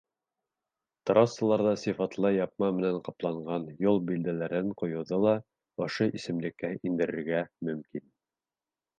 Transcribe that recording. Трассаларҙа сифатлы япма менән ҡапланған юл билдәләрен ҡуйыуҙы ла ошо исемлеккә индерергә мөмкин.